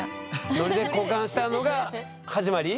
ノリで交換したのが始まり？